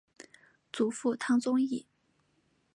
祖父汤宗义。